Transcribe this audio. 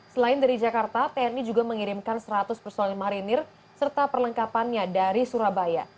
selain dari jakarta tni juga mengirimkan seratus personil marinir serta perlengkapannya dari surabaya